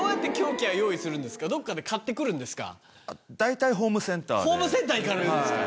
どっかで買って来るんですか？